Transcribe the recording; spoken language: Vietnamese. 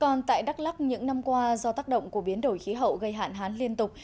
còn tại đắk lắc những năm qua do tác động của biến đổi khí hậu gây hạn hán liên tục